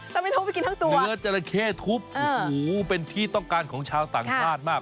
ถ้าไม่ทุบไปกินทั้งตัวเนื้อจราเข้ทุบโอ้โหเป็นที่ต้องการของชาวต่างชาติมาก